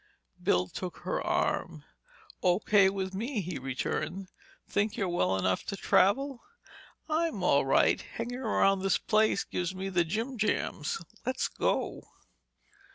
Bill took her arm. "O.K. with me," he returned. "Think you're well enough to travel?" "I'm all right. Hanging around this place gives me the jim jams—let's go."